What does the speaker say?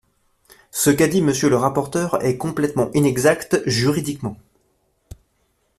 Ce qu’a dit Monsieur le rapporteur est complètement inexact juridiquement.